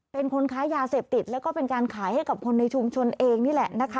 เป็นคนค้ายาเสพติดแล้วก็เป็นการขายให้กับคนในชุมชนเองนี่แหละนะคะ